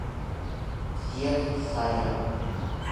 Jiyax sayang